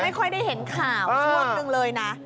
ไม่ค่อยได้เห็นข่าวช่วงนึงเลยนะ